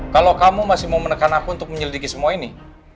kalau kamu masih mau menekan aku untuk menyelidiki semua ini